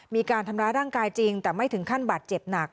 มีการทำร้ายร่างกายจริงแต่ไม่ถึงขั้นบาดเจ็บหนัก